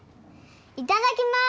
いただきます！